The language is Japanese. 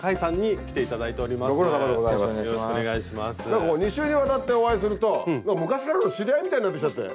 なんかこう２週にわたってお会いすると昔からの知り合いみたいになってきちゃって。